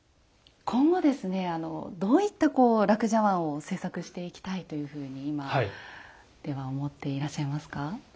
今後ですねどういった樂茶碗を制作していきたいというふうに今思っていらっしゃいますか？